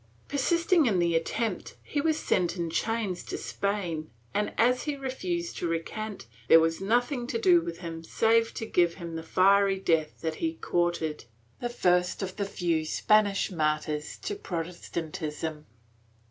Persisting in the attempt, he was sent in chains to Spain and, as he refused to recant, there was nothing to do with him save to give him the fiery death that he courted — the first of the few Spanish martyrs to Protestantism.